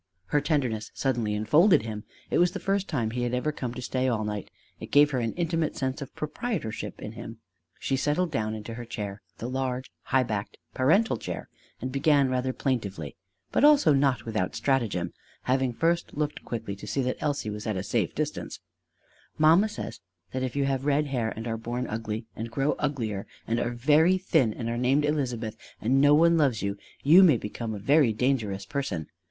Her tenderness suddenly enfolded him: it was the first time he had ever come to stay all night: it gave her an intimate sense of proprietorship in him. She settled down into her chair the large, high backed, parental chair and began rather plaintively but also not without stratagem having first looked quickly to see that Elsie was at a safe distance: "Mamma says that if you have red hair and are born ugly, and grow uglier, and are very thin, and are named Elizabeth, and no one loves you, you may become a very dangerous person.